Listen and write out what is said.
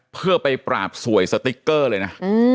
เพื่อไปปราบสวยสติ๊กเกอร์เลยนะ